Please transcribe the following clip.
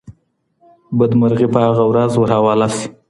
بدمرغي په هغه ورځ ورحواله سي